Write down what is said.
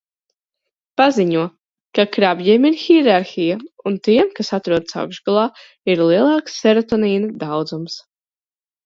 Paziņo, ka krabjiem ir hierarhija un tiem, kas atrodas augšgalā, ir lielāks serotonīna daudzums.